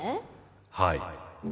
はい。